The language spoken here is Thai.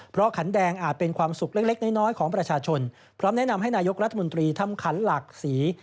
เพราะขันแดงอาจเป็นความสุขเล็กน้อยของประชาชนพร้อมแนะนำให้นายกรัฐมนตรีทำขันหลากสี